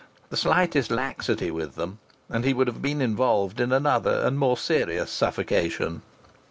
The slightest laxity with them and he would have been involved in another and more serious suffocation.